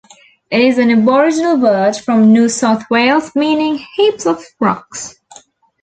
It is an Aboriginal word from New South Wales meaning "heaps of rocks".